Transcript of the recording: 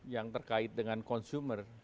yang terkait dengan consumer